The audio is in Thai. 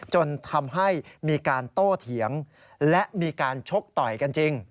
จนทำให้มีการโตเถียงและมีการชกต่อยกันจริง